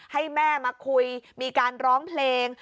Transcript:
ให้แม่มาคุยมีการร้องเพลง